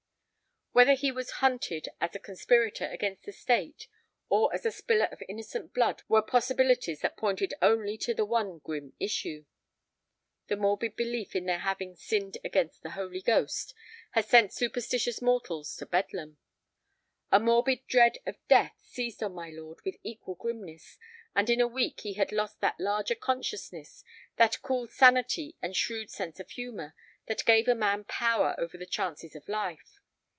Whether he was hunted as a conspirator against the state or as a spiller of innocent blood were possibilities that pointed only to the one grim issue. A morbid belief in their having "sinned against the Holy Ghost" has sent superstitious mortals to Bedlam. A morbid dread of death seized on my lord with equal grimness, and in a week he had lost that larger consciousness, that cool sanity and shrewd sense of humor, that give a man power over the chances of life.